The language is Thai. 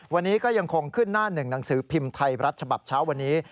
วันนี้ก็ยังคงขึ้นหน้าหนึ่งหนังสือพิมพ์ไทยรัฐฉบับเช้าวันนี้